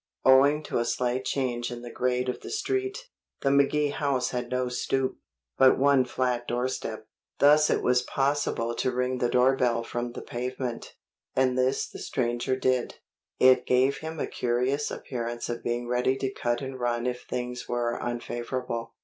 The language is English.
Owing to a slight change in the grade of the street, the McKee house had no stoop, but one flat doorstep. Thus it was possible to ring the doorbell from the pavement, and this the stranger did. It gave him a curious appearance of being ready to cut and run if things were unfavorable.